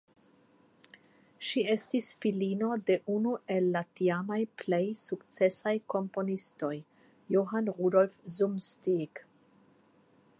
Ŝi estis filino de unu el la tiamaj plej sukcesaj komponistoj Johann Rudolf Zumsteeg.